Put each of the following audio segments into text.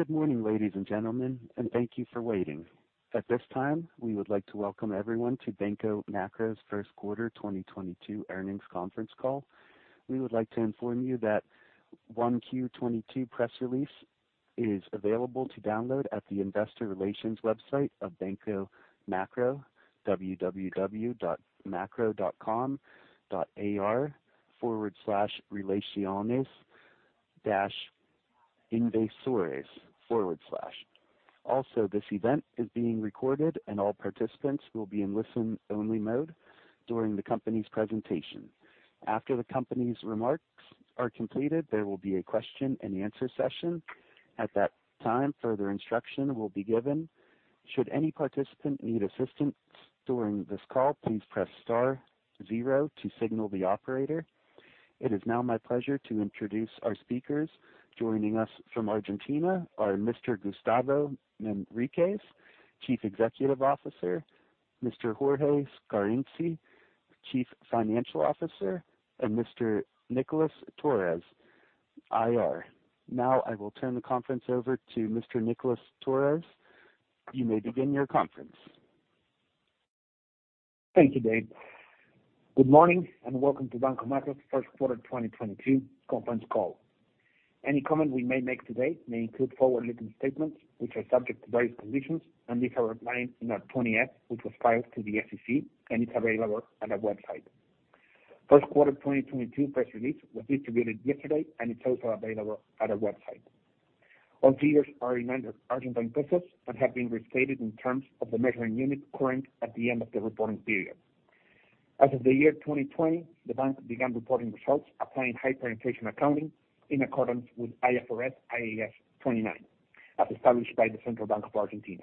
Good morning, ladies and gentlemen, and thank you for waiting. At this time, we would like to welcome everyone to Banco Macro's first quarter 2022 earnings conference call. We would like to inform you that 1Q22 press release is available to download at the investor relations website of Banco Macro, www.macro.com.ar, forward slash relaciones dash inversores forward slash. Also, this event is being recorded, and all participants will be in listen-only mode during the company's presentation. After the company's remarks are completed, there will be a question-and-answer session. At that time, further instruction will be given. Should any participant need assistance during this call, please press star zero to signal the operator. It is now my pleasure to introduce our speakers. Joining us from Argentina are Mr. Gustavo Manriquez, Chief Executive Officer, Mr. Jorge Scarinci, Chief Financial Officer, and Mr. Nicolás Torres, IR. Now I will turn the conference over to Mr. Nicolás Torres. You may begin your conference. Thank you, Dave. Good morning, and welcome to Banco Macro's first quarter 2022 conference call. Any comment we may make today may include forward-looking statements which are subject to various conditions, and these are outlined in our 20-F, which was filed to the SEC, and it's available at our website. First quarter 2022 press release was distributed yesterday, and it's also available at our website. All figures are in Argentine pesos and have been restated in terms of the measuring unit current at the end of the reporting period. As of the year 2020, the bank began reporting results applying hyperinflation accounting in accordance with IFRS/IAS 29, as established by the Central Bank of Argentina.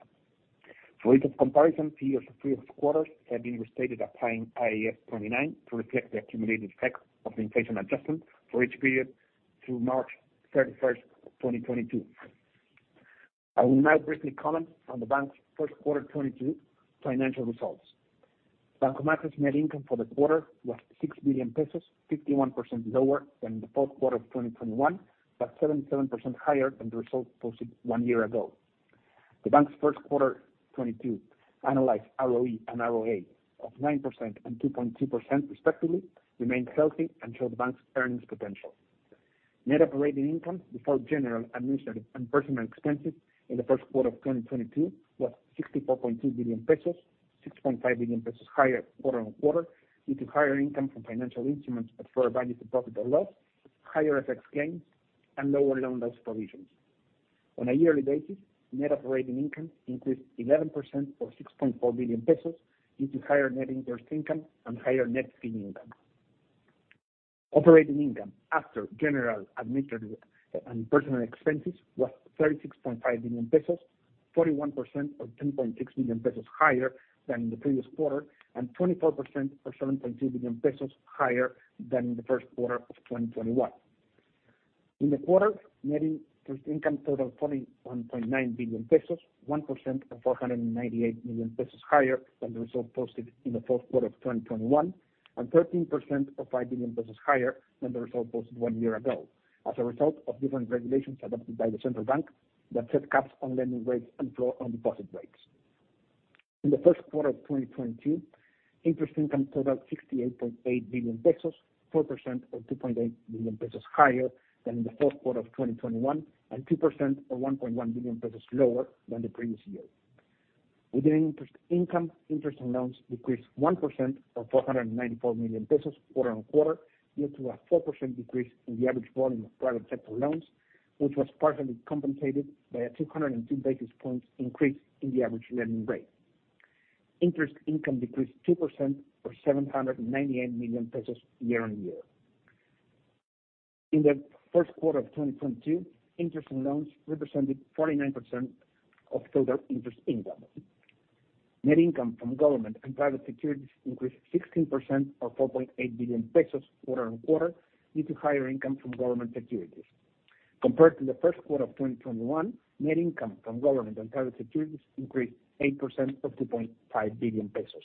For ease of comparison, figures for previous quarters have been restated applying IAS 29 to reflect the accumulated effect of the inflation adjustment for each period through March 31st, 2022. I will now briefly comment on the bank's first quarter 2022 financial results. Banco Macro's net income for the quarter was 6 billion pesos, 51% lower than the fourth quarter of 2021, but 7% higher than the results posted one year ago. The bank's first quarter 2022 annualized ROE and ROA of 9% and 2.2% respectively remained healthy and showed the bank's earnings potential. Net operating income before general, administrative, and personal expenses in the first quarter of 2022 was 64.2 billion pesos, 6.5 billion pesos higher quarter-over-quarter due to higher income from financial instruments at fair value to profit or loss, higher FX gains, and lower loan loss provisions. On a yearly basis, net operating income increased 11% or 6.4 billion pesos due to higher net interest income and higher net fee income. Operating income after general, administrative, and personal expenses was 36.5 billion pesos, 41% or 10.6 billion pesos higher than the previous quarter, and 24% or 7.2 billion pesos higher than in the first quarter of 2021. In the quarter, net interest income totaled 41.9 billion pesos, 1% or 498 million pesos higher than the result posted in the fourth quarter of 2021, and 13% or 5 billion pesos higher than the result posted one year ago, as a result of different regulations adopted by the Central Bank that set caps on lending rates and floors on deposit rates. In the first quarter of 2022, interest income totaled 68.8 billion pesos, 4% or 2.8 billion pesos higher than in the fourth quarter of 2021, and 2% or 1.1 billion pesos lower than the previous year. Within interest income, interest on loans decreased 1% or 494 million pesos quarter-on-quarter due to a 4% decrease in the average volume of private sector loans, which was partially compensated by a 202 basis points increase in the average lending rate. Interest income decreased 2% or 798 million pesos year-on-year. In the first quarter of 2022, interest on loans represented 49% of total interest income. Net income from government and private securities increased 16% or 4.8 billion pesos quarter-on-quarter due to higher income from government securities. Compared to the first quarter of 2021, net income from government and private securities increased 8% or 2.5 billion pesos.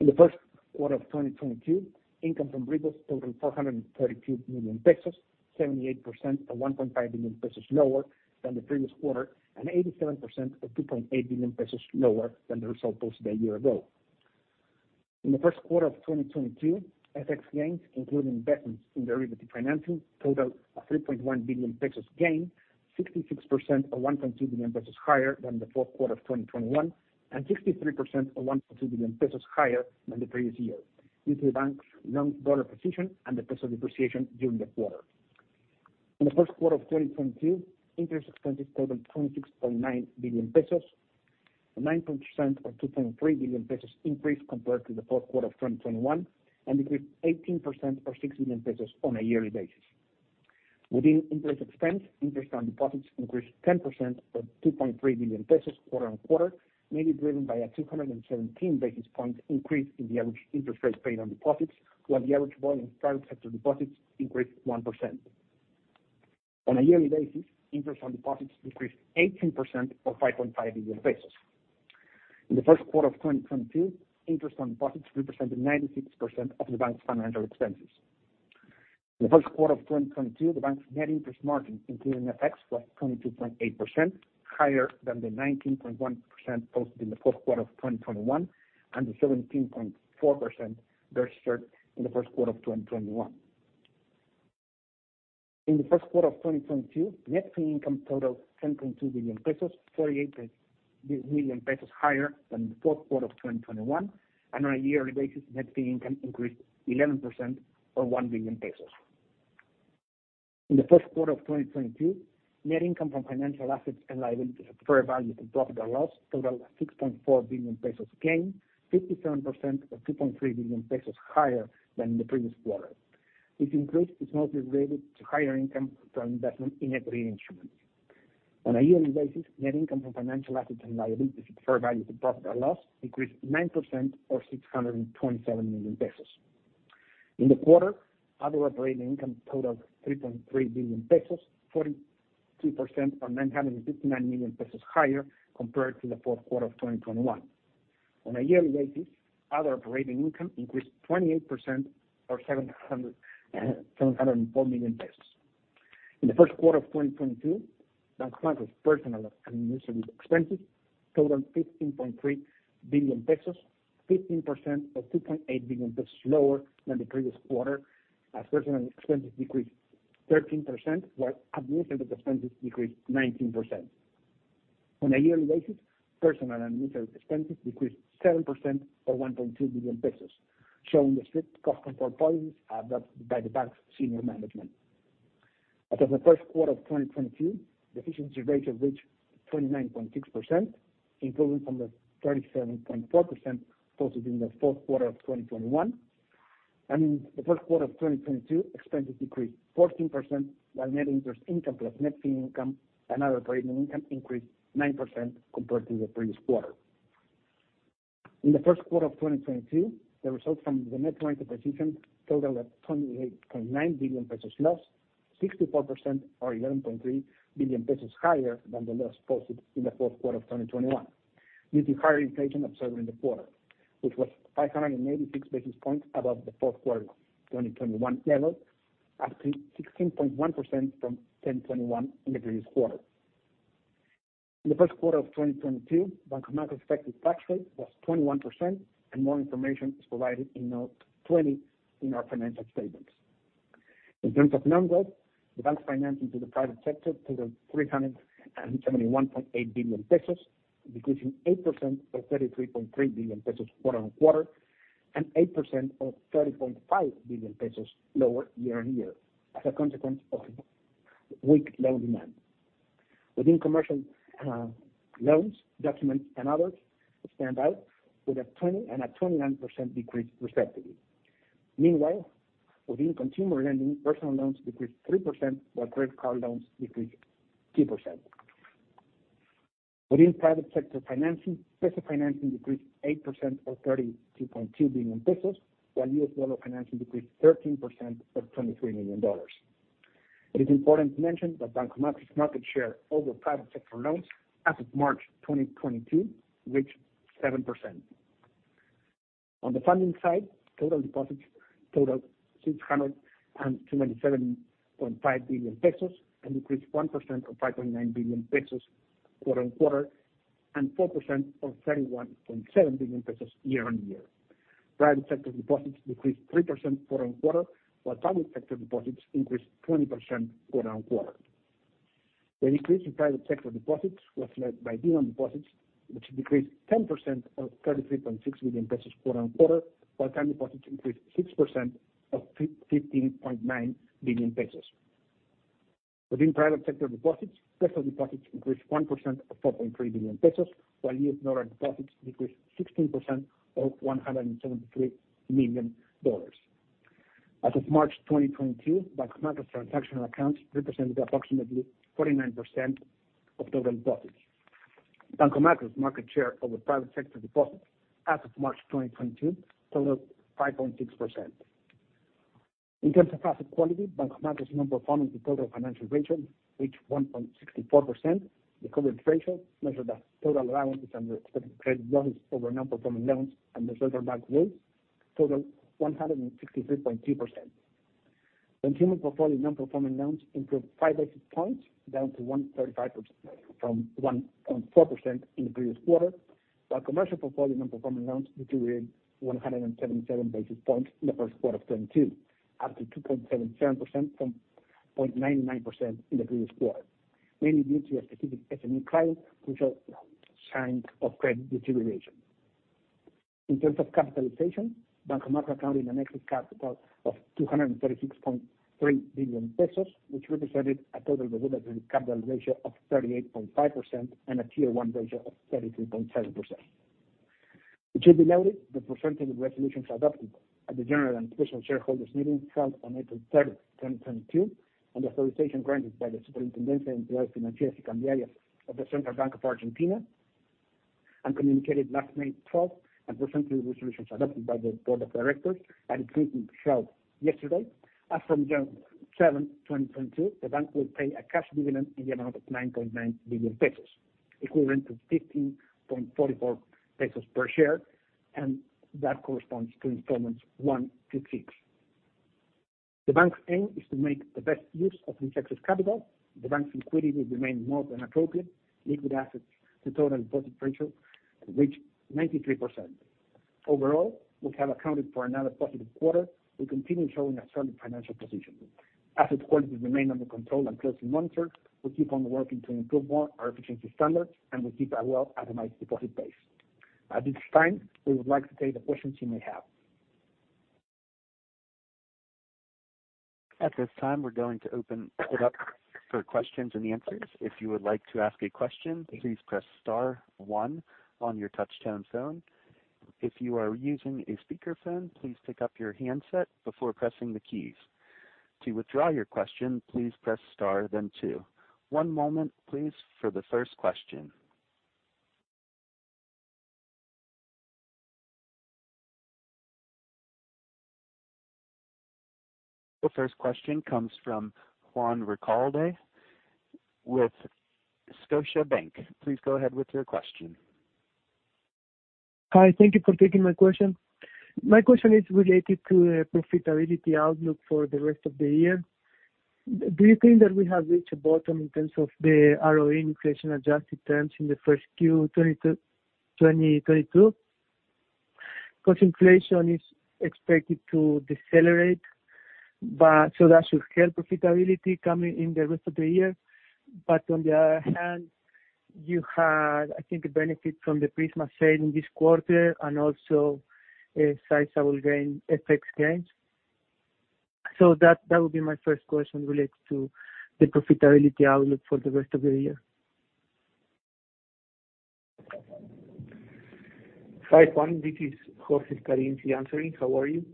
In the first quarter of 2022, income from repos totaled 432 million pesos, 78% or 1.5 billion pesos lower than the previous quarter, and 87% or 2.8 billion pesos lower than the result posted a year ago. In the first quarter of 2022, FX gains, including bets in derivatives, totaled a 3.1 billion pesos gain, 66% or 1.2 billion pesos higher than the fourth quarter of 2021, and 63% or 1.2 billion pesos higher than the previous year due to the bank's long dollar position and the peso depreciation during the quarter. In the first quarter of 2022, interest expenses totaled 26.9 billion pesos, a 9% or 2.3 billion pesos increase compared to the fourth quarter of 2021, and decreased 18% or 6 billion pesos on a yearly basis. Within interest expense, interest on deposits increased 10% or 2.3 billion pesos quarter on quarter, mainly driven by a 217 basis point increase in the average interest rate paid on deposits, while the average volume of private sector deposits increased 1%. On a yearly basis, interest on deposits increased 18% or 5.5 billion pesos. In the first quarter of 2022, interest on deposits represented 96% of the bank's financial expenses. In the first quarter of 2022, the bank's net interest margin, including FX, was 22.8%, higher than the 19.1% posted in the fourth quarter of 2021, and the 17.4% registered in the first quarter of 2021. In the first quarter of 2022, net fee income totaled 10.2 billion pesos, 48 million pesos higher than the fourth quarter of 2021. On a yearly basis, net fee income increased 11% or 1 billion pesos. In the first quarter of 2022, net income from financial assets and liabilities at fair value through profit or loss totaled 6.4 billion pesos gain, 57% or 2.3 billion pesos higher than the previous quarter. This increase is mostly related to higher income from investment in equity instruments. On a yearly basis, net income from financial assets and liabilities at fair value through profit or loss increased 9% or 627 million pesos. In the quarter, other operating income totaled 3.3 billion pesos, 42% or 959 million pesos higher compared to the fourth quarter of 2021. On a yearly basis, other operating income increased 28% or 704 million pesos. In the first quarter of 2022, Banco Macro's personnel and administrative expenses totaled 15.3 billion pesos, 15% or 2.8 billion pesos lower than the previous quarter, as personnel expenses decreased 13% while administrative expenses decreased 19%. On a yearly basis, personnel and administrative expenses decreased 7% or 1.2 billion pesos, showing the strict cost control policies adopted by the bank's senior management. As of the first quarter of 2022, the efficiency ratio reached 29.6%, improving from the 27.4% posted in the fourth quarter of 2021. In the first quarter of 2022, expenses decreased 14%, while net interest income plus net fee income and other operating income increased 9% compared to the previous quarter. In the first quarter of 2022, the results from the net monetary position totaled 28.9 billion pesos loss, 64% or 11.3 billion pesos higher than the loss posted in the fourth quarter of 2021. Due to higher inflation observed in the quarter, which was 586 basis points above the fourth quarter of 2021 level, up to 16.1% from 10.21% in the previous quarter. In the first quarter of 2022, Banco Macro's effective tax rate was 21%, and more information is provided in note 20 in our financial statements. In terms of numbers, the bank's financing to the private sector totaled 371.8 billion pesos, decreasing 8% or 33.3 billion pesos quarter-on-quarter, and 8% or 30.5 billion pesos lower year-on-year as a consequence of weak loan demand within commercial loans, documents and others stand out with a 20% and a 29% decrease respectively. Meanwhile, within consumer lending, personal loans decreased 3% while credit card loans decreased 2%. Within private sector financing, peso financing decreased 8% or 32.2 billion pesos, while US dollar financing decreased 13% or $23 million. It is important to mention that Banco Macro's market share over private sector loans as of March 2022 reached 7%. On the funding side, total deposits totaled 629.5 billion pesos and increased 1% or 5.9 billion pesos quarter-on-quarter, and 4% or 31.7 billion pesos year-on-year. Private sector deposits decreased 3% quarter-on-quarter, while public sector deposits increased 20% quarter-on-quarter. The decrease in private sector deposits was led by demand deposits, which decreased 10% or 33.6 billion pesos quarter-on-quarter, while time deposits increased 6% or 15.9 billion pesos. Within private sector deposits, peso deposits increased 1% or 4.3 billion pesos, while U.S. dollar deposits decreased 16% or $173 million. As of March 2022, Banco Macro's transactional accounts represented approximately 49% of total deposits. Banco Macro's market share over private sector deposits as of March 2022 totaled 5.6%. In terms of asset quality, Banco Macro's non-performing to total financial ratio reached 1.64%. The coverage ratio measured as total allowances and expected credit losses over non-performing loans and reserves or backed deals totaled 163.2%. Consumer portfolio non-performing loans improved 5 basis points, down to 1.35% from 1.4% in the previous quarter. While commercial portfolio non-performing loans deteriorated 177 basis points in the first quarter of 2022, up to 2.77% from 0.99% in the previous quarter, mainly due to a specific SME client who showed signs of credit deterioration. In terms of capitalization, Banco Macro had a net capital of 236.3 billion pesos, which represented a total regulatory capital ratio of 38.5% and a Tier 1 ratio of 33.7%. It should be noted that pursuant to the resolutions adopted at the general and special shareholders meeting held on April 3, 2022, and the authorization granted by the Superintendencia of the Central Bank of Argentina, and communicated last May 12, and pursuant to the resolutions adopted by the board of directors at its meeting held yesterday. 2022, the bank will pay a cash dividend in the amount of 9.9 billion pesos, equivalent to 15.44 pesos per share, and that corresponds to installments one through six. The bank's aim is to make the best use of its excess capital. The bank's liquidity will remain more than appropriate. Liquid assets to total deposit ratio reached 93%. Overall, we have accounted for another positive quarter. We continue showing a strong financial position. Asset quality remain under control and closely monitored. We keep on working to improve more our efficiency standards, and we keep our well-optimized deposit base. At this time, we would like to take the questions you may have. At this time, we're going to open it up for questions and answers. If you would like to ask a question, please press star one on your touchtone phone. If you are using a speaker phone, please pick up your handset before pressing the keys. To withdraw your question, please press star, then two. One moment please for the first question. The first question comes from Juan Recalde with Scotiabank. Please go ahead with your question. Hi, thank you for taking my question. My question is related to the profitability outlook for the rest of the year. Do you think that we have reached a bottom in terms of the ROE inflation-adjusted terms in the first Q 2022? Because inflation is expected to decelerate, but so that should help profitability coming in the rest of the year. On the other hand, you had, I think, a benefit from the Prisma sale in this quarter and also a sizable gain, FX gains. That would be my first question related to the profitability outlook for the rest of the year. Hi, Juan. This is Jorge Scarinci answering. How are you?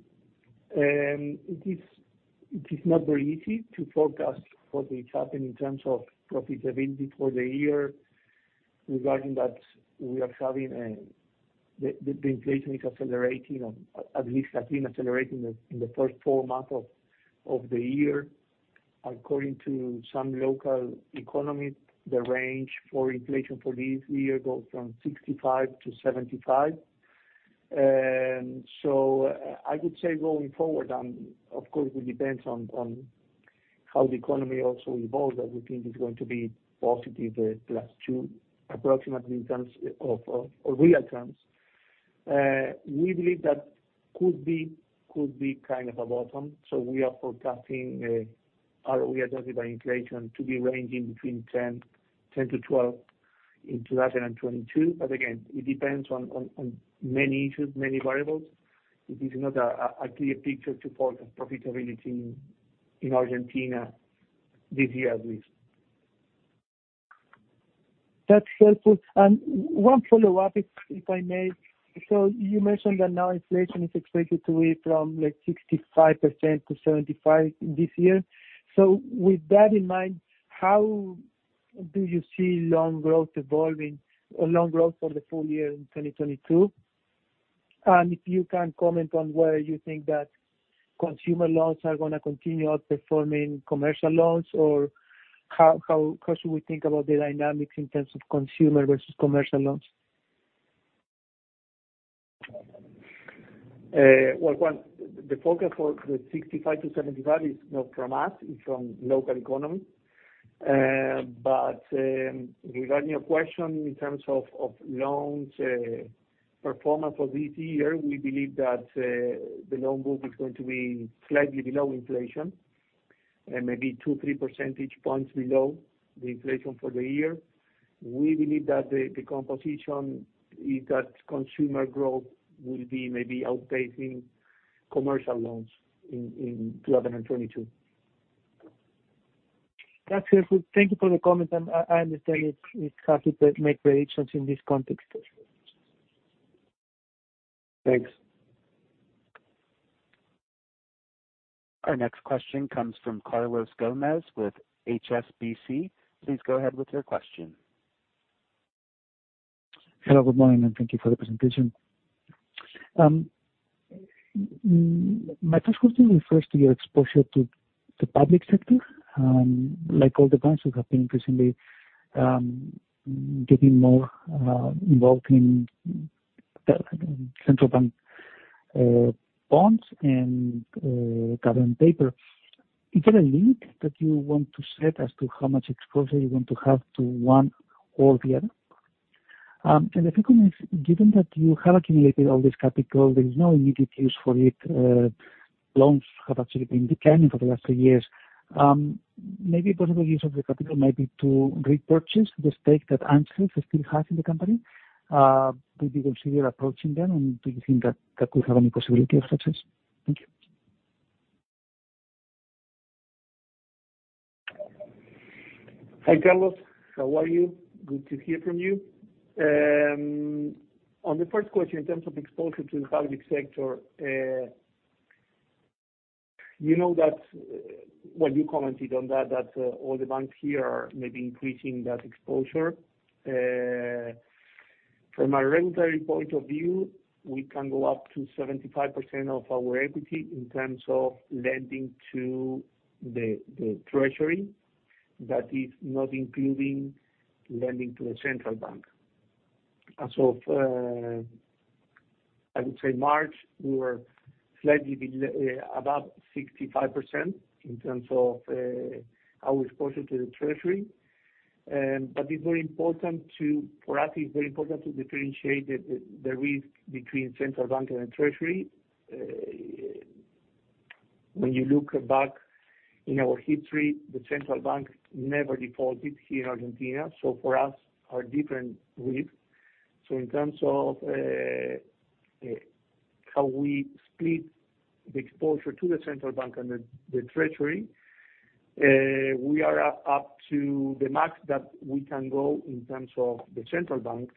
It is not very easy to forecast what will happen in terms of profitability for the year, regarding that we are having the inflation is accelerating or at least has been accelerating in the first four months of the year. According to some local economists, the range for inflation for this year goes from 65%-75%. I could say going forward, and of course, it will depend on how the economy also evolves, that we think is going to be positive, +2%, approximately in terms of real terms. We believe that could be kind of a bottom. We are forecasting ROE adjusted by inflation to be ranging between 10%-12% in 2022. Again, it depends on many issues, many variables. It is not a clear picture to forecast profitability in Argentina this year at least. That's helpful. One follow-up, if I may. You mentioned that now inflation is expected to be from like 65%-75% this year. With that in mind, how do you see loan growth evolving or loan growth for the full year in 2022? If you can comment on whether you think that consumer loans are gonna continue outperforming commercial loans, or how should we think about the dynamics in terms of consumer versus commercial loans? Well, one, the focus for the 65%-75% is not from us, it's from local economy. Regarding your question in terms of loans performance for this year, we believe that the loan book is going to be slightly below inflation and maybe two-three percentage points below the inflation for the year. We believe that the composition is that consumer growth will be maybe outpacing commercial loans in 2022. That's helpful. Thank you for the comments. I understand it's hard to make predictions in this context. Thanks. Our next question comes from Carlos Gomez-Lopez with HSBC. Please go ahead with your question. Hello, good morning, and thank you for the presentation. My first question refers to your exposure to the public sector, like all the banks who have been recently getting more involved in the central bank bonds and government paper. Is there a limit that you want to set as to how much exposure you want to have to one or the other? The second is, given that you have accumulated all this capital, there is no immediate use for it. Loans have actually been declining for the last two years. Maybe possible use of the capital might be to repurchase the stake that ANSES still has in the company. Would you consider approaching them, and do you think that that could have any possibility of success? Thank you. Hi, Carlos. How are you? Good to hear from you. On the first question, in terms of exposure to the public sector, you know that when you commented on that all the banks here are maybe increasing that exposure. From a regulatory point of view, we can go up to 75% of our equity in terms of lending to the treasury. That is not including lending to the Central Bank. As of, I would say March, we were slightly below about 65% in terms of our exposure to the treasury. But it's very important for us, it's very important to differentiate the risk between Central Bank and the treasury. When you look back in our history, the Central Bank never defaulted here in Argentina, so for us, are different risk. In terms of how we split the exposure to the Central Bank and the Treasury, we are up to the max that we can go in terms of the Central Bank.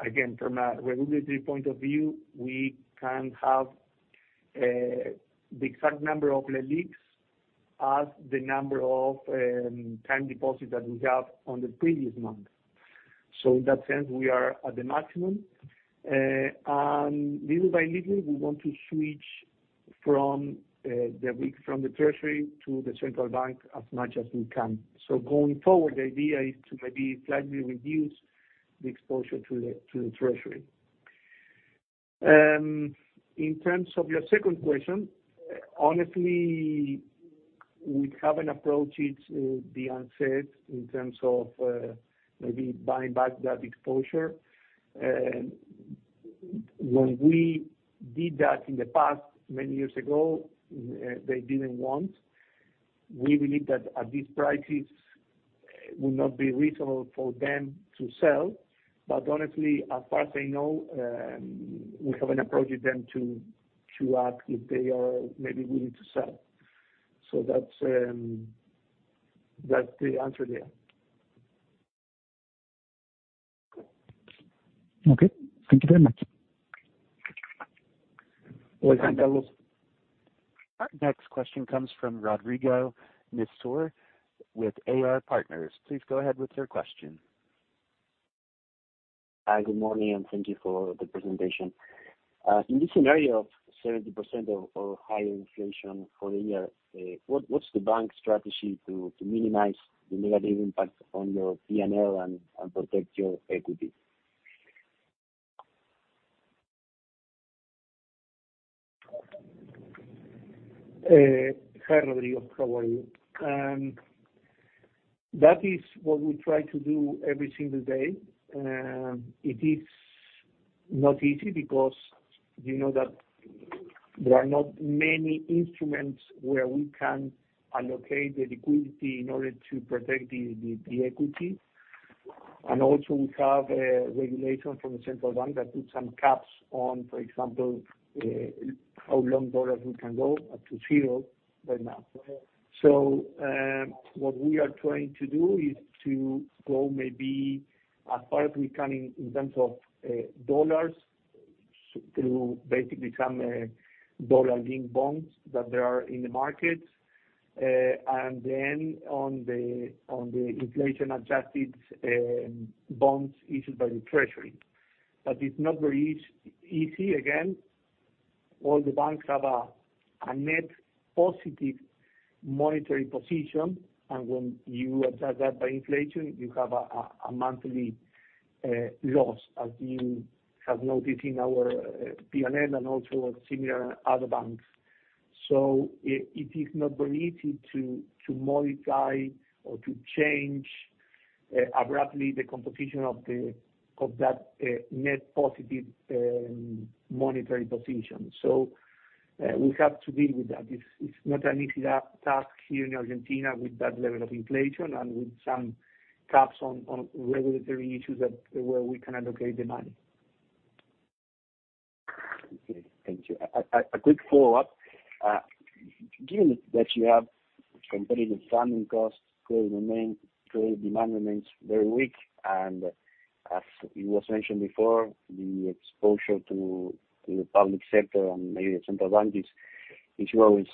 Again, from a regulatory point of view, we can have the exact number of LELIQs as the number of time deposits that we have on the previous month. In that sense, we are at the maximum. Little by little, we want to switch from the risk from the Treasury to the Central Bank as much as we can. Going forward, the idea is to maybe slightly reduce the exposure to the Treasury. In terms of your second question, honestly, we haven't approached it, the answer is in terms of maybe buying back that exposure. When we did that in the past, many years ago, they didn't want. We believe that at these prices, it would not be reasonable for them to sell. Honestly, as far as I know, we haven't approached them to ask if they are maybe willing to sell. That's the answer there. Okay. Thank you very much. You're welcome. Our next question comes from Rodrigo Nistor with AR Partners. Please go ahead with your question. Hi, good morning, and thank you for the presentation. In this scenario of 70% of higher inflation for the year, what's the bank's strategy to minimize the negative impact on your P&L and protect your equity? Hi, Rodrigo. How are you? That is what we try to do every single day. It is not easy because you know that there are not many instruments where we can allocate the liquidity in order to protect the equity. Also we have a regulation from the Central Bank that put some caps on, for example, how long dollars we can hold up to zero right now. What we are trying to do is to go maybe as far as we can in terms of dollars through basically some dollar-linked bonds that there are in the market, and then on the inflation-adjusted bonds issued by the Treasury. It's not very easy. Again, all the banks have a net positive monetary position, and when you adjust that by inflation, you have a monthly loss, as you have noticed in our P&L and also similar other banks. It is not very easy to modify or to change abruptly the composition of that net positive monetary position. We have to deal with that. It's not an easy task here in Argentina with that level of inflation and with some caps on regulatory issues that where we can allocate the money. Okay, thank you. A quick follow-up. Given that you have competitive funding costs, credit demand remains very weak, and as it was mentioned before, the exposure to the public sector and maybe the central bank is growing.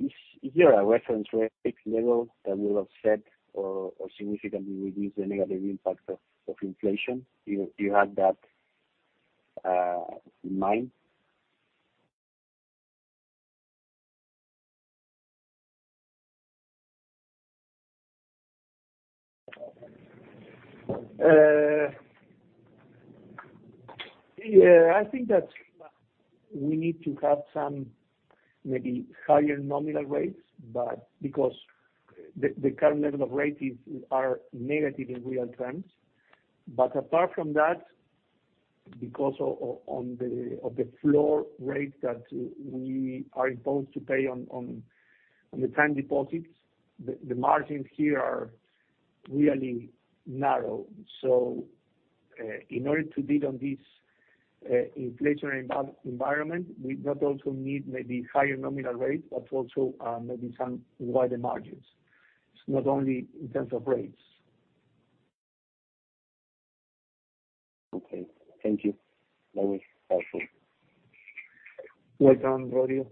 Is there a reference rate level that will offset or significantly reduce the negative impact of inflation? Do you have that in mind? Yeah, I think that we need to have some maybe higher nominal rates, but because the current level of rates are negative in real terms. Apart from that, because of the floor rate that we are supposed to pay on the time deposits, the margins here are really narrow. In order to beat this inflationary environment, we'll also need maybe higher nominal rates, but also maybe some wider margins. It's not only in terms of rates. Okay. Thank you. That was helpful. You're welcome, Rodrigo.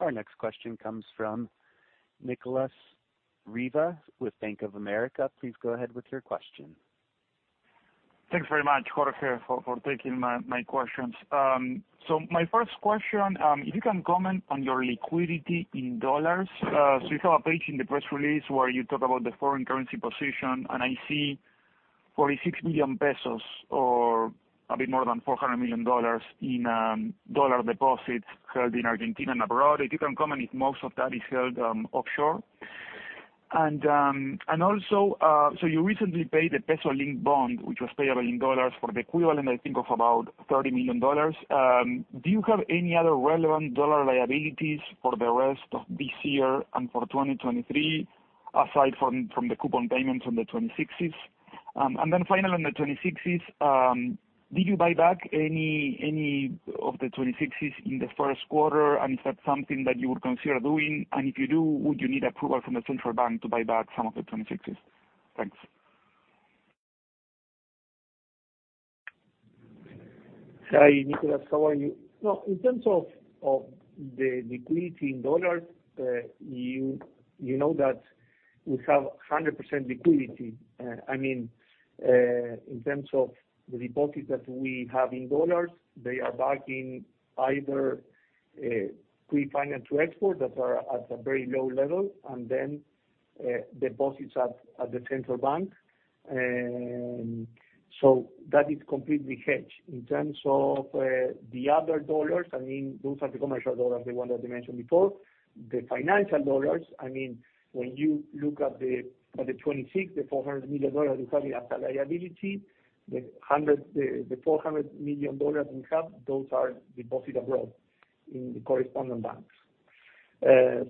Our next question comes from Nicolas Riva with Bank of America. Please go ahead with your question. Thanks very much, Jorge, for taking my questions. My first question, if you can comment on your liquidity in dollars. You have a page in the press release where you talk about the foreign currency position, and I see 46 million pesos or a bit more than $400 million in dollar deposits held in Argentina and abroad. If you can comment if most of that is held offshore. You recently paid a peso-linked bond, which was payable in dollars for the equivalent, I think of about $30 million. Do you have any other relevant dollar liabilities for the rest of this year and for 2023, aside from the coupon payments on the 2026s? Finally, on the 26s, did you buy back any of the 26s in the first quarter, and is that something that you would consider doing? If you do, would you need approval from the Central Bank to buy back some of the 26s? Thanks. Hi, Nicolás. How are you? No, in terms of the liquidity in dollars, you know that we have 100% liquidity. I mean, in terms of the deposits that we have in dollars, they are backing either pre-finance to export that are at a very low level, and then deposits at the Central Bank of Argentina. That is completely hedged. In terms of the other dollars, I mean, those are the commercial dollars, the ones that you mentioned before. The financial dollars, I mean, when you look at the 2026, the $400 million we have as a liability, those are deposited abroad in the correspondent banks. 100%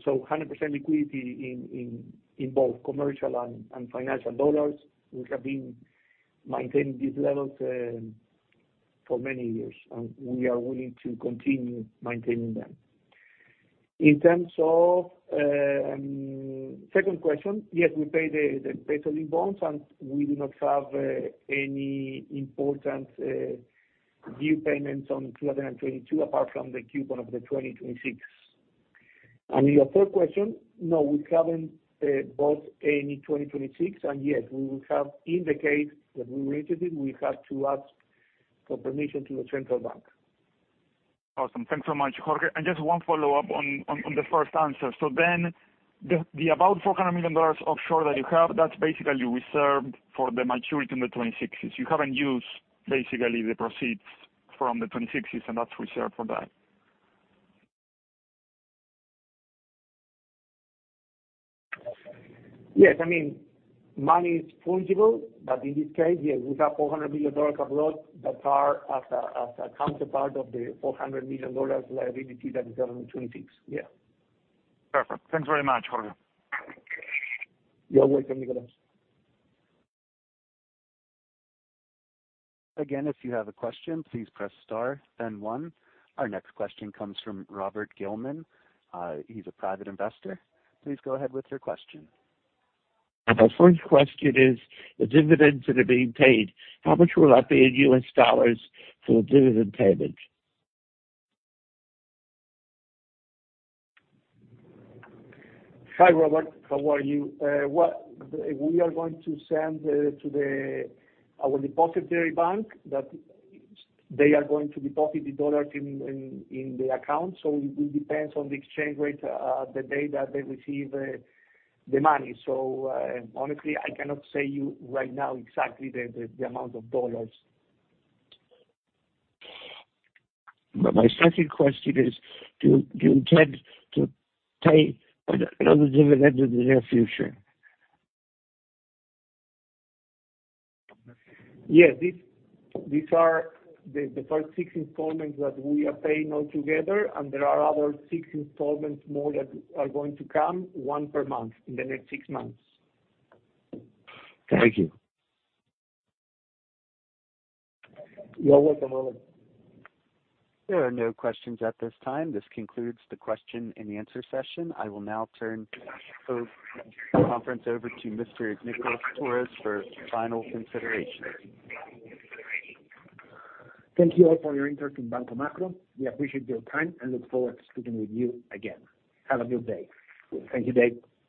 liquidity in both commercial and financial dollars, which have been maintaining these levels for many years, and we are willing to continue maintaining them. In terms of second question. Yes, we paid the peso-linked bonds, and we do not have any important due payments in 2022 apart from the coupon of the 2026. Your third question, no, we haven't bought any 2026. Yes, we will have in the case that we raise it, we have to ask for permission to the Central Bank. Awesome. Thanks so much, Jorge. Just one follow-up on the first answer. The about $400 million offshore that you have, that's basically reserved for the maturity in the 2026s. You haven't used basically the proceeds from the 2026s, and that's reserved for that. Yes. I mean, money is fungible, but in this case, yes, we have $400 million abroad that are as a counterpart of the $400 million liability that is on the 2026. Yeah. Perfect. Thanks very much, Jorge. You're welcome, Nicolás. Again, if you have a question, please press star then one. Our next question comes from Robert Gilman. He's a private investor. Please go ahead with your question. My first question is the dividends that are being paid, how much will that be in US dollars for the dividend payment? Hi, Robert. How are you? We are going to send to our depository bank that they are going to deposit the dollars in the account, so it depends on the exchange rate the day that they receive the money. Honestly, I cannot say you right now exactly the amount of dollars. My second question is, do you intend to pay another dividend in the near future? Yes. These are the first six installments that we are paying all together, and there are other six installments more that are going to come, 1 per month in the next six months. Thank you. You're welcome, Robert. There are no questions at this time. This concludes the question and answer session. I will now turn the conference over to Mr. Nicolás Torres for final considerations. Thank you all for your interest in Banco Macro. We appreciate your time and look forward to speaking with you again. Have a good day. Thank you, Dave.